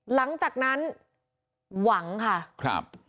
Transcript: หลังจากนั้นหวังค่ะ